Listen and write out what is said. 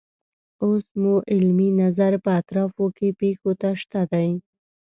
اوس مو علمي نظر په اطرافو کې پیښو ته شته دی.